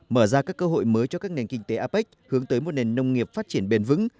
mở ra các cơ hội mới cho các nền kinh tế apec hướng tới một nền nông nghiệp phát triển bền vững